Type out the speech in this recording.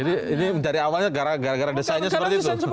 jadi ini dari awalnya gara gara desainnya seperti itu